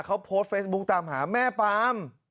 เขาโพสต์เฟซบุ๊คตามหาแม่ปาม